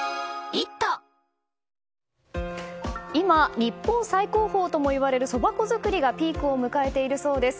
今、日本最高峰ともいわれるそば粉作りがピークを迎えているそうです。